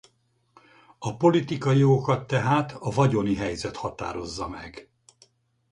A politikai jogokat tehát a vagyoni helyzet határozza meg.